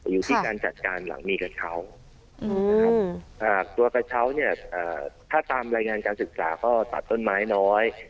อยู่ที่การจัดการหลังมีกระเช้านะครับตัวกระเช้าเนี่ยถ้าตามรายงานการศึกษาก็ตัดต้นไม้น้อย